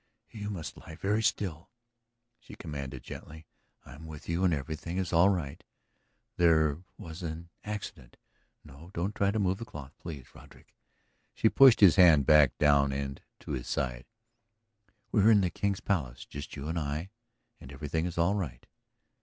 "You must lie very still," she commanded gently. "I am with you and everything is all right. There was ... an accident. No, don't try to move the cloth; please, Roderick." She pushed his hand back down to his side. "We are in the King's Palace, just you and I, and everything is all right."